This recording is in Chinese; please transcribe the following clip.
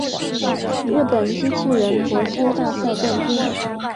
日本机器人搏击大赛冠军